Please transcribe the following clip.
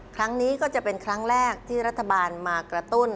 ครั้งนี้ก็จะเป็นครั้งแรกที่รัฐบาลมากระตุ้น